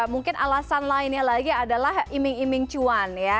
mungkin alasan lainnya lagi adalah iming iming cuan ya